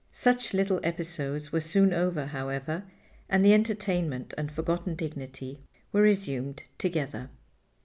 Such little episodes were soon over, however, and the entertainment and forgotten dignity were resumed together.